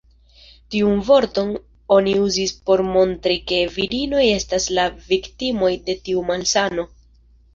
Tiun vorton oni uzis por montri ke virinoj estas la viktimoj de tiu malsano.